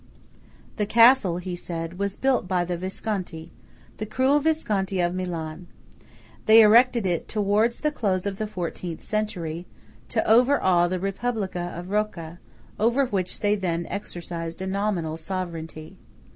The Castle, he said, was built by the Visconti–the cruel Visconti of Milan. They erected it towards the close of the Fourteenth century, to overawe the "Republica" of Rocca, over which they then exercised a nominal sovereignty.